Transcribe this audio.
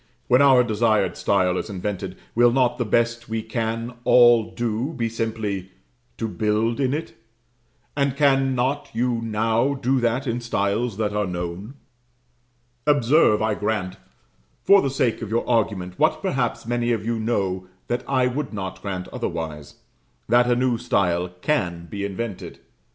When our desired style is invented, will not the best we can all do be simply to build in it? and cannot you now do that in styles that are known? Observe, I grant, for the sake of your argument, what perhaps many of you know that I would not grant otherwise that a new style can be invented.